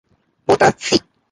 Vota SÍ"".